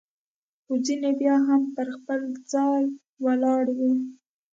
خو ځیني بیا هم پر خپل ځای ولاړ وي.